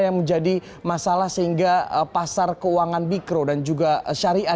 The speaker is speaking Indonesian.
yang menjadi masalah sehingga pasar keuangan mikro dan juga syariah